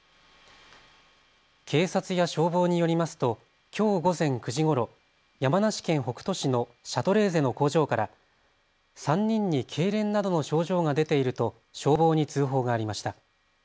警察や消防によりますときょう午前９時ごろ、山梨県北杜市のシャトレーゼの工場から３人にけいれんなどの症状が出ていると消防に通報がありました。